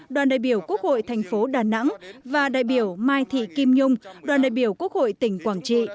đoàn đại biểu quốc hội thành phố đà nẵng và đại biểu mai thị kim nhung đoàn đại biểu quốc hội tỉnh quảng trị